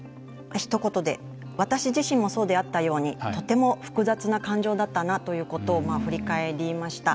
ひと言で私自身もそうであったようにとても複雑な感情だったなということを振り返りました。